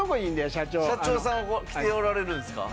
社長さん来ておられるんですか？